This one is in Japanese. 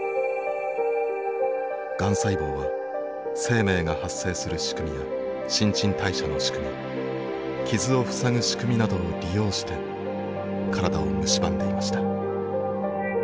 がん細胞は生命が発生する仕組みや新陳代謝の仕組み傷をふさぐ仕組みなどを利用して体をむしばんでいました。